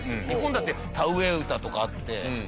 日本だって田植え唄とかあって。